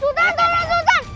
sultan tolong sultan